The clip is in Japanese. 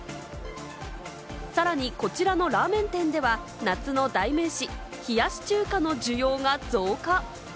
さらにこちらのラーメン店では、夏の代名詞、冷やし中華の需要が増加。